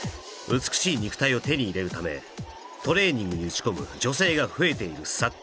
美しい肉体を手に入れるためトレーニングに打ち込む女性が増えている昨今